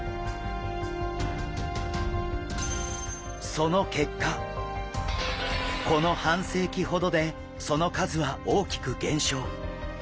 その結果この半世紀ほどでその数は大きく減少。